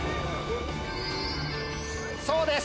そうです！